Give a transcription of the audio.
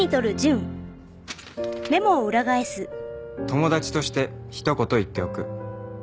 「友達としてひとこと言っておく。